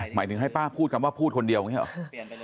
หมายถึงให้ป้าพูดคำว่าพูดคนเดียวอย่างนี้หรอ